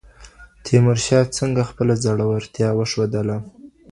تیمور شاه څنګه خپله زړورتیا وښودله؟